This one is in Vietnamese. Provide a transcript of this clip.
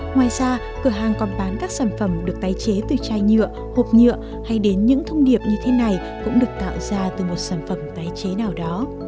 ngoài ra cửa hàng còn bán các sản phẩm được tái chế từ chai nhựa hộp nhựa hay đến những thông điệp như thế này cũng được tạo ra từ một sản phẩm tái chế nào đó